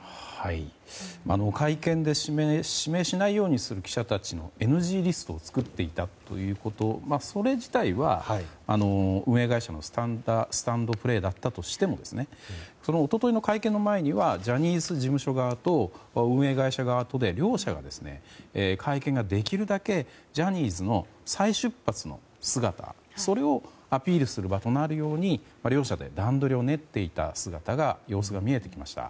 会見で指名しないようにする記者たちのＮＧリストを作っていたということそれ自体は、運営会社のスタンドプレーだったとしても一昨日の会見の前にはジャニーズ事務所側と運営会社側とで両社ができるだけ会見をジャニーズ再出発の姿をアピールする場となるように両者で段取りを練っていた様子が見えてきました。